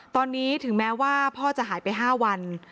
ตอนนี้ถึงแม้ว่าพ่อจะหายไป๕วัน